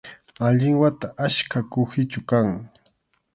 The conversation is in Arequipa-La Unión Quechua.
Allin wata ackha kuhichu kan